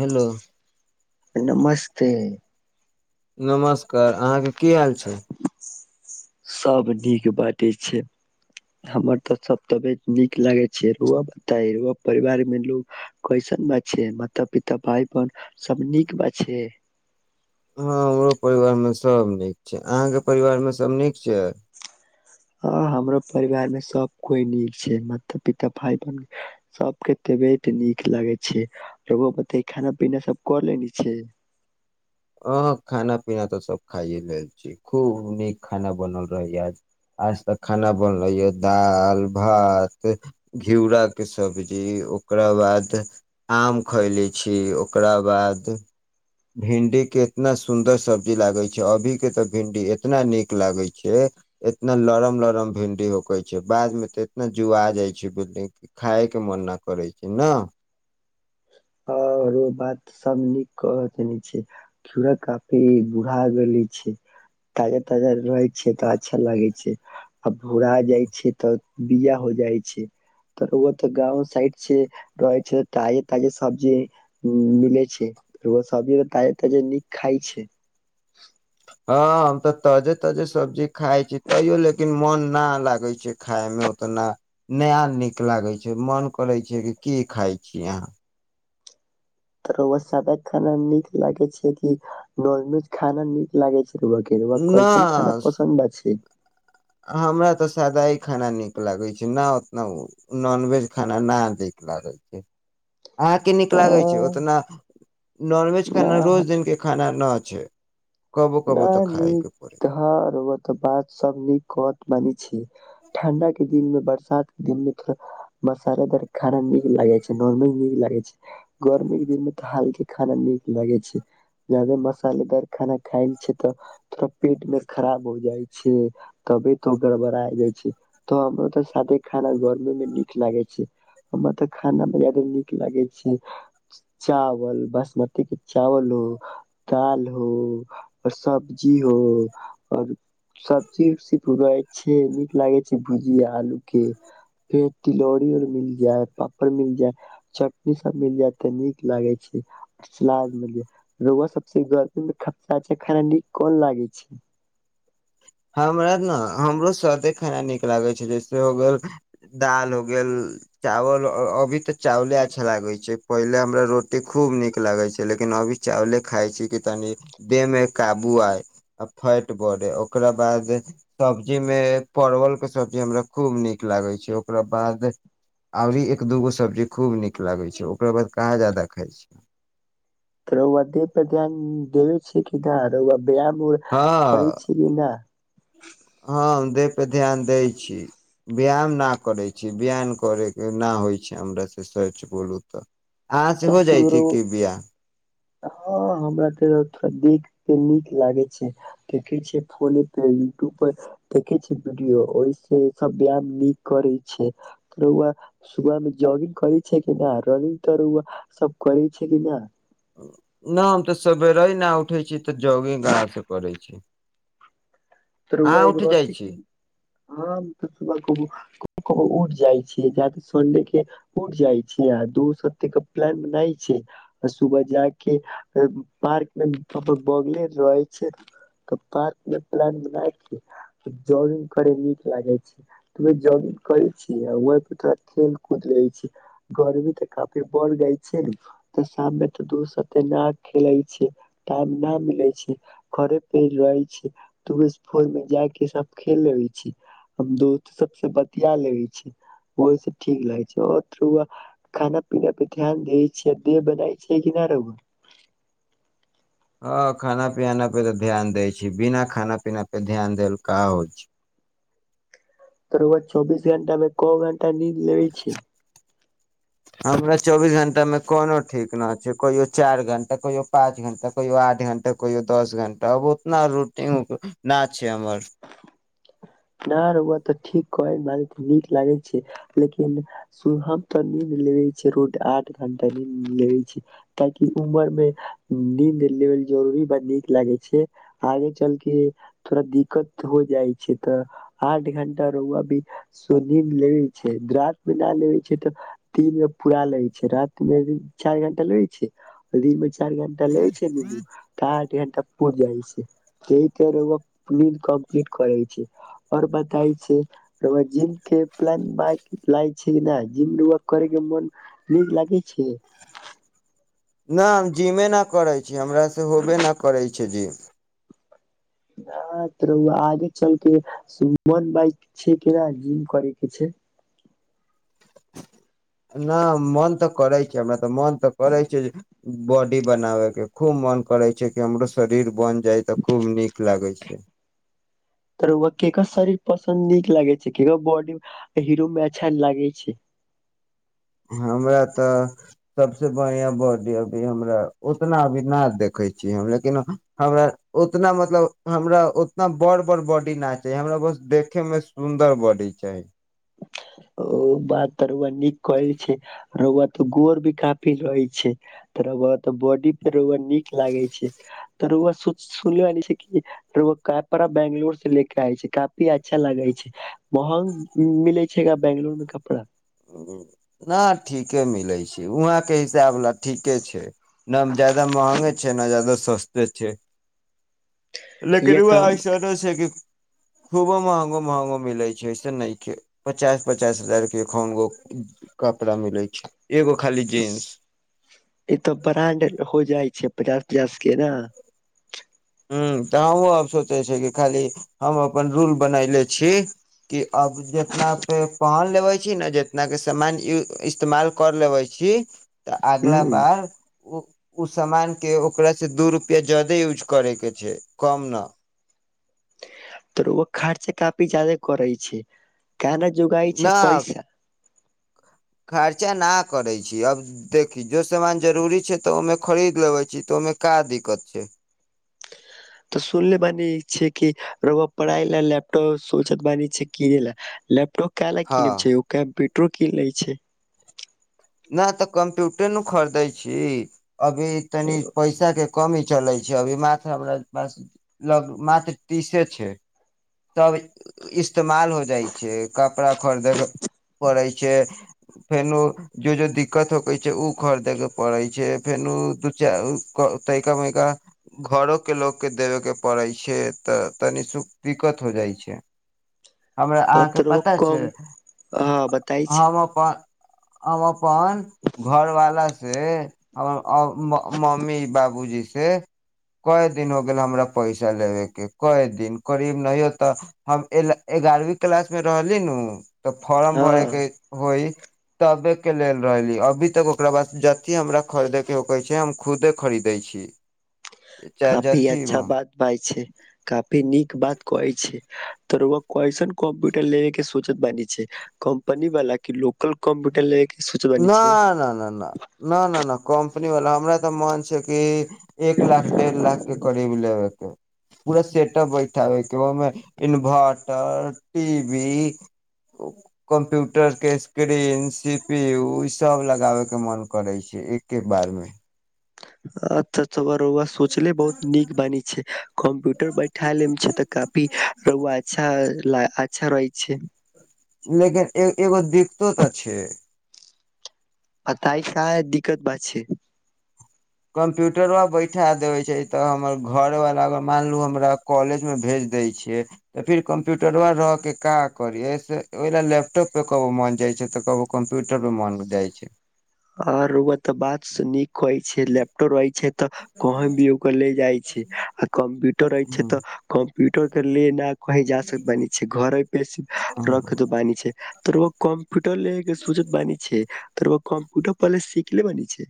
Hello नमस्ते नमस्कार अहाँके की हाल छै सब नीक बाटै छै हमर तऽ सभ तबत नीक लागै छै रुउआ बताए रउआ परिवारमे लोग कैसन बाछे माता पिता भाय बहन सब नीक बाछे हँ हमरो परिवारमे सभ नीक छै अहाँके परिवारमे सभ नीक छै हँ हमरो परिवार मे सब कोइ नीक छै माता पिता भाई बहन सबके तबियत नीक लागै छै रउआ बताए खाना पीना सब क लेने छै ह खाना पीना तऽ सभ खाइए लेल छी खूब नीक खाना बनल रहैए आज आज तक खाना बनल रहैए दालि भात घिउराके सब्जी ओकरा बाद आम खैले छी ओकरा बाद भिंडी केतना सुन्दर सब्जी लागे छै अभी के तऽ भिंडी एतना नीक लागे छै इतना लरम लरम भिंडी होकै छै बाद मे तऽ इतना जुआ जाइ छै भिंडी खााय के मन न करै छै न आर ओ बात सब नीक कह देने छै घिउरा काफी बूढ़ा गेली छै ताजा ताजा रहै छै तऽ अच्छा लागे छै आ भूरा जाइ छै तऽ बिया हो जाइ छै तऽ रउआ तऽ गाँंव सइड से रहै छै ताजे ताजे सब्जी मिले छै रउआ सब्जी तऽ ताजे ताजे नीक खइ छै हँ तऽ ताजे ताजे सब्जी खाइ छी तैयो लेकिन लेकिन मोन नहि लागैत छै खायमे उतना नया नीक लागैत छै मन करैत छै कि की खाइत छी अहाँ तऽ रउआ सादा खाना नीक लागे छै कि नाॅनवेज खाना नीक लागे छै रउआ के रउआ न कयसन खाना पसन्द आ छै हमरा तऽ सादाइ खाना नीक लागै छै न ओतना उ नॉनवेज खाना न दिक लागै छै अहाँके नीक आ लागै छै ओतना नॉनवेज ना आना रोज दिन के खाना ना छै कबो कबो तऽ खायके हँ रौआ बात सब नीक कत मानि छी ठण्डा के दिनमे बरसात के दिन मे थोड़ा मसालेदार खाना नीक लागे छै नॉर्ल नीक लागे छै गर्मी के दिन में तो हलके खाना नीक लागे छै जादे मसालेदार खाना खायल छै तऽ थोड़ा पेट मे खराब हो जाय छै तबे तो गड़बड़ा आ जाय छै तो हमरा ते सादे खाना गरमी में नीक लागे छै हमरा त खाना मे जादे नीक लागे छी चावल बासमती के चावल हो दाल हो सब्जी ओ और सब्जी उ रहे छै नीक लागे छै भुजिया आलू के फेर तिलौरी मिल जाय पापड़ मिल जाय चटनी सब मिल जाय ते नीक लागे छै और सलाद मिल जाय सब गर्मी मे खाना न कोन लागै छै हमरा न हमरो सादे खाना नीक लागे छै जैसे हो गेल दाल हो गेल चावल अभी तऽ चावले अच्छा लागै छै पहिले हमरा रोटी खूब नीक लागे छै लेकिन अभी चावले खााय छी कि तनी देह मे काबू आय आ फैट बढ़े ओकरा बाद सब्जीमे परवलके सब्जी हमरा खूब नीक लागै छै ओकरा बाद आरी एक दूगो सब्जी खूब नीक लागै छै ओकरा बाद कहाँ जादा खाइ छियै रौआ पेट पर ध्यान देबे छी कीध रह बय म कर हँ छल कि न हँ देह परे ध्यान दै छी व्यायाम न करै छी व्यायाम करैके नहि होइ छै हमरा से सोच बोलू तऽ आच त हो सु जाइछी रउ कि बिया हँ हमरा ते थोड़ा देख केे नीक लागे छै देखे छ फोने पे यूट्यूब पर देखे छै वीडियो ओहि से सब व्यायाम नीक करे छै रौआ सुबह मे जॉगिंग करे छै कि न रनिंग त रउआ सब करै छै कि नहि ना हम तऽ सवेरे नहि उठै छी तऽ जोगिंग कहाँस करै छी अहाँ उठ जाइ छी [unintelligible] उठ जाय छी जाे सन्डे के उठ जाय छी आ दोस्त्ते के प्लान बनाई छै आ सुबह जा के पार्क मे बगले रहे छै तऽ पार्क मे प्लान जॉगिंग करे नीक लागे छै त जॉगिंग करे छी तो खेल कूद ले छ गर्मी तऽ काफी बढ़ जाय छै ने त शाम मे ते दोस्ते न खेले छै टाइम न मिले छै खरे पेर रहे छै फूल मे जा के सब खेल लेबै छी हम दोस्त सबसँ बतिया लेबे छी ओहि सब ठीक लागै छै और रउआ खाना पीना पे ध्यान देै छियै देह बनाै छै कि नहि रह हँ खाना पीना पे तऽ ध्यान दै छै बिना खाना पीनापे ध्यान देलका होइ छै त रउआ चौबीस घंटामे क घंटा नींद लेबै छी हमरा चौबीस घण्टामे कोनो ठीक न छै कहिओ चारि घण्टा कहियो पाँच घण्टा कहिओ आठ घण्टा कहिओ दस घण्टा आब उतना रूटीन नहि छै हमर नहि ओ तऽ ठीक कहै नीक लागे छै लेकिन हम तऽ नीद लेबे छ रोड आठ घंटा नी लेबे छी ताकि उमर मे नीद लेब जरूरी ब नीक लागे छै आगे चल के थोड़ा दिक्कत हो जाइ छै तऽ आठ घंटा रौआ भी सोनी मे लेे छै रात मे न लेबे छै तऽ दिन मे पूरा लगे छै रात में चार घंटा लेे छै दिन मे चारि घणटा ले छै न त आठ घणटा पू जाइ छै क कोग कम्प्लीट करै छै आओर बताय छै जिम के प्ल लाग छै जिम र करै के मन नीक लागै छै न जीमे न करै छी हमरास से होबे नहि करै छै जी ह तर ओ आगे चलके सुमन बाइ छै किना जिम कर के छै न मन तऽ करै छै हमरा तऽ मन तऽ करै छै जे बॉडी बनाबयके खूब मन करै छै कि हमरो शरीर बनि जाइ तऽ खूब नीक लागै छै तऽ केकर शरीर पसन्द नीक लागै छै केकर बॉडी हीरो मे अच्छा लागै छै हमरा तऽ सभसँ बढ़िआँ बॉडी अभी हमरा उतना अभी नहि देखै छिय हम लेकिन हमरा उतना मतलब हमरा उतना बड़ बड़ बॉडी नहि चाही हमरा बस देखयमे सुन्दर बॉडी चाही बात तरआ नीक कहै छै रुआ ते गोर भी काफी रहे छै तआ त बॉडी पेआ नीक लागे छै त रआ सुनल छैड़ा बंगलोर से ले के आय छै काफी अच्छा लागे छै महंग मिले छै बैंगलुर में कपड़ा न ठीके मिलै छै वहाँके हिसाब लऽ ठीके छै ने जादा महंगे छै ने जादा सस्ते छै ये लेकिनुआ तऽ आइशनो छै कि खूबो महंगो महंगो मिलै छै ऐसे नहि पचास पचास हजार के एखन गो कपड़ा मिलै छै एगो खाली जींस ई तऽ ब्रां्ड हो जाइ छै पचास पचास के ने ह्म तऽ हमहूँ आब सोचै छै कि खाली हम अपन रूल बनयले छी कि आब जितना पे पहन लेबै छी ने जितने सामान इस्तेमाल कर लेबै छी तऽ अगला ह बार ओ ओ सामान के ओकरा से दू रुपआ जााद यूज करयके छै कम न तऽ ओ खाइ के पिछे खर्चा काफी जादे करै छै कना जोगाय छै न पैसा खर्चा न करै छी अब देखी जो सामान जरूरी छै तऽ ओहिमे खरीद लेबै छी तऽ ओहिमे का दिक्कत छै तऽ सुनले बानी छै कि रउआ पढ़ाइ लए लैपटॉप सोचत बानी छै किनै लए लैपटॉप कल हँ की नेम छै कम्प टोकी लै छै नहि तऽ कम्प्यूटर नु खरीदै छी अभी तनी पैसा के कमी चलै छै अभी मात्र हमरा पास लग मात्र तीसे छै तब इस्तेमाल हो जाइ छै कपड़ा खरीदे के पड़ै छै छै फेनु जो जो दिक्कत होकेै छै ओ खरीदयके पड़ै छै फेनु ओ दू चार तयिका मयका घरोके लोकके देबेके पड़ै छै तऽ तनि सुख दिक्कत हो जाइ छै हमरा आ अहाँके तोरवा पता छैय कम हाँ बताई छै हम अपन हम अपन घर वाला से से हमर मम्मी बाबूजी से कय दिन हो गेल हमरा पैसा लेबे के कय दिन करीब नहि हो तऽ हम एगारहवीं क्लास मे रहली न तऽ फॉर्म भरे हाँ के होइ तबेके लेल रहली अभी तक ओकरा बाद जते हमरा खरीदैके होय छैय हम खुदे खरीदै छी। चाहे काफी जथी अच्छा न बात भाय छैय। काफी नीक बात कहै छैय तऽ रवा कइसन कम्प्यूटर लेेबे के सोचत बानै छैय कम्पनी वाला की लोकल कम्प्यूटर ले के सोचत बानी न छै न न ना न न न ना कम कम्पनीवला हमरा तऽ मन छैय कि एक लाख डेढ़ लाख के करीब लेबेके पूरा सेटप बैठाबैके ओमे इन्भर्टर टी वी कम्प्यूटर के स्क्रीन सिफ पेउ ई सब लगाबे के मन करै छैय एके बार मे अच्छा रौआ सोचले बहुत निक बान छैय कंप्यूटर बैठाय ले मे छैय ते काफी रौआ अच्छा ल अच्छा रहै छैय। लेकिन ए एगो दिक्तत छैय आ ताइ का दिक्कत बा छैय कम्प्यूटरमे बैठा देबै छैय तऽ हमर घरवला अगर मान लू हमरा कॉलेजमे भेज दै छियै तऽ फेर कम्प्यूटरवा रह के का करियैसँ ओहि लेल लैपटॉप पर मन जाइ छैय तऽ कहबौ कम्प्यूटरपर मन जाइ छैय। आ रउआ तऽ बात से नीक कहै छैय लैपटॉप रहै छैय तऽ कहीं भी ओकर ले जाइ छैय आ कंप्यूटर रहै छैय तऽ कम ट्यूटर के [unintelligible] कंही जा सक बानी छैय घर पे से छै रख दे बानी छैय तऽ कब टल लेबै के सौचत बानी छैय। त रउआ कम उट पले सीखले बानी छैय।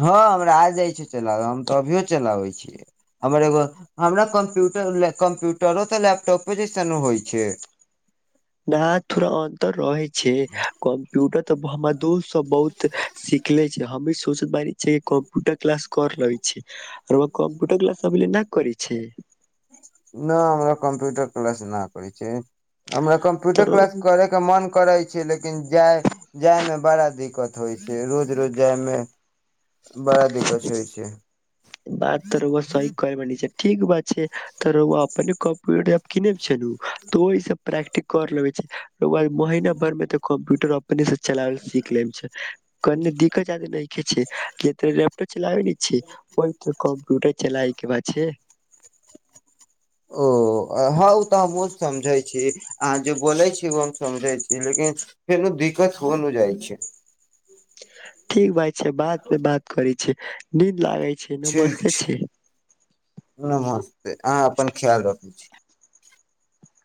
हँ हमरा आ जाइ छैय चलाबै हम तऽ अभियो चलाबै छियै हमर एगो हमरा कम्प्यूटरै कम्प्यूटरो तऽ लैपटॉपो जैस न होइ छैय। न थोरा अन्तर रहय छैय कम्प्यूटर त हमर दोस्त सब बहुत सिखले छैय हमी सोचारी छियै कम्प्यूटर क्लास कर रहले छीर कम्प्यूटर क्लास अभे ले नहि करे छै न हमरा कम्प्यूटर क्लास न आबइ छैय। हमरा कम्प्यूटर तोरो क्लास करे के मन करै छैय लेकिन जाइ जाइमे बड़ा दिक्कत होइ छैय रोज रोज जाइमे बड़ा दिक्कत होइ छैय। बात तऽ रउआ सही कहि बानि छैय। ठीक बात छैय त रउआ अपने कंप्यूटरब किने छै नु त ओइ से प्रैक्टिक कर ले छैय रउआ महीना भर में ते कंप्यूटर नी से चलाबल सीख ले छैय। कनि दिक्कत आदी नहिखे छै के लैपटोप चलाबे नै छी ओ त कम्प्युट चलायके बात छै ओ हँ ओ तऽ हमहुँ समझै छी आँह जे बोलै छी ओ हम समझै छी लेकिन फेनो दिक्कत हो ने जाइ छै ठीक भइ बाद मे बात करी नींद लागय छै ठीक छै नमस्ते अहाँ अपन ख्याल रखय छी